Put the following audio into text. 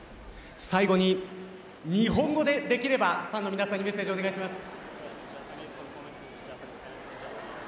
最後に日本語で、できればファンの皆さんにメッセージお願いします。